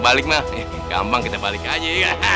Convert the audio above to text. balik mah gampang kita balik aja ya